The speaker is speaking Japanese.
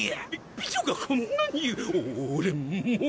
美女がこんなにお俺もう。